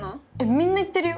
みんな言ってるよ。